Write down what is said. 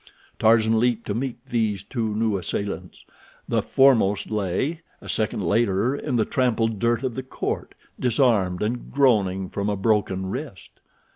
Tarzan leaped to meet these two new assailants. The foremost lay, a second later, in the trampled dirt of the court, disarmed and groaning from a broken wrist.